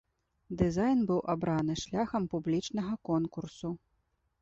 Дызайн быў абраны шляхам публічнага конкурсу.